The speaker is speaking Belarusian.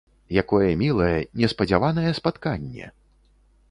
Якое мілае, неспадзяванае спатканне!